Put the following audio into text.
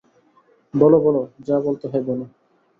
বলো, বলো, যা বলতে হয় বলো।